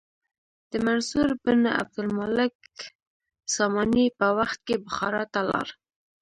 د منصور بن عبدالمالک ساماني په وخت کې بخارا ته لاړ.